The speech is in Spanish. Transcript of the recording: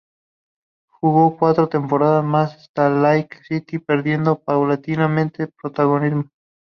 Jugó cuatro temporadas más en Salt Lake City, perdiendo paulatinamente protagonismo.